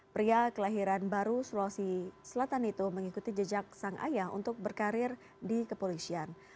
pria kelahiran baru sulawesi selatan itu mengikuti jejak sang ayah untuk berkarir di kepolisian